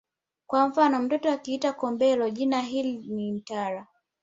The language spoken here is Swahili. Kwa mfano mtoto akiitwa Kobero jina hili ni mtala